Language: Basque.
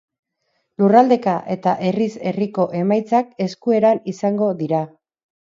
Lurraldeka eta herriz herriko emaitzak eskueran izango dira.